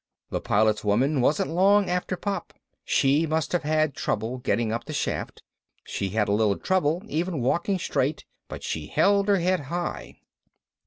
The Pilot's woman wasn't long after Pop. She must have had trouble getting up the shaft, she had a little trouble even walking straight, but she held her head high.